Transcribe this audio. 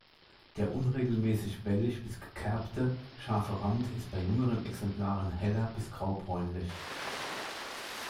Der unregelmäßig wellig bis gekerbte, scharfe Rand ist bei jüngeren Exemplaren heller bis graubräunlich.